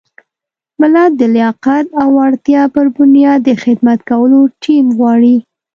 ملت د لیاقت او وړتیا پر بنیاد د خدمت کولو ټیم غواړي.